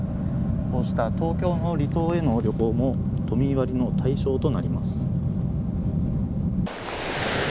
こうした東京の離島への旅行も都民割の対象となります。